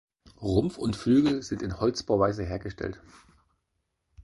Rumpf und Flügel sind in Holzbauweise hergestellt.